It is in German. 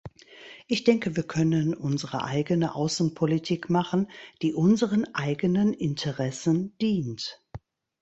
Ich denke wir können unsere eigene Außenpolitik machen, die unseren eigenen Interessen dient!